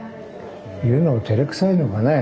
言うのがてれくさいのかね。